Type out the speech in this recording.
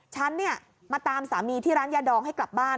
ฉันเนี่ยมาตามสามีที่ร้านยาดองให้กลับบ้าน